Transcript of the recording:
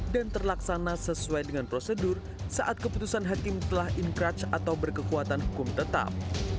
dan terlaksana sesuai dengan prosedur saat keputusan hakim telah inkraj atau berkekuatan hukum tetap